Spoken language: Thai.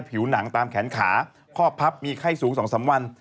ผิวหนังตามแขนขาข้อพับมีไข้สูง๒๓วัน